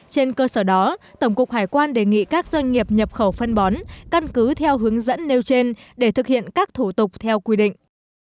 trên cơ sở đó tổng cục hải quan đề nghị các doanh nghiệp nhập khẩu phân bón căn cứ theo hướng dẫn nêu trên để thực hiện các thủ tục theo quy định